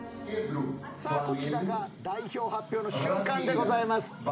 こちらが代表発表の瞬間でございます。